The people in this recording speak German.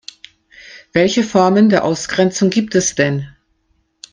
Welche Formen der Ausgrenzung gibt es denn?